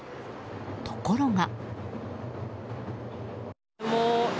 ところが。